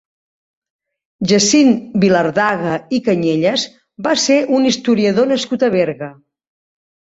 Jacint Vilardaga i Cañellas va ser un historiador nascut a Berga.